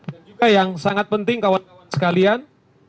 dan juga yang sangat penting kawan kawan sekalian